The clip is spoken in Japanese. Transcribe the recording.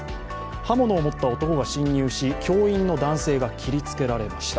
刃物を持った男が侵入し、教員の男性が切りつけられました。